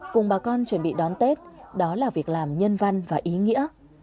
cùng bà con chuẩn bị đón tết đó là việc làm nhân văn và ý nghĩa